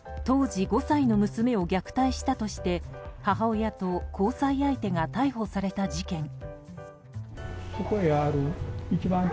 当時５歳の娘を虐待したとして母親と交際相手が逮捕された事件。